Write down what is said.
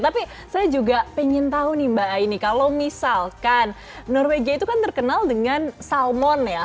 tapi saya juga ingin tahu nih mbak aini kalau misalkan norwegia itu kan terkenal dengan salmon ya